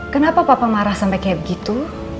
kenapa papa marah sampai kayak begitu